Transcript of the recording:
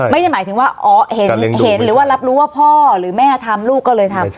ไม่ได้หมายถึงว่าอ๋อเห็นหรือว่ารับรู้ว่าพ่อหรือแม่ทำลูกก็เลยทำ